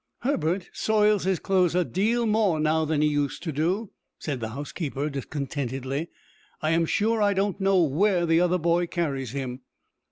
"Herbert soils his clothes a deal more now than he used to do," said the housekeeper, discontentedly. "I am sure I don't know where the other boy carries him."